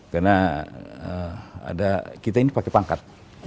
karena kita ini pakai pangkat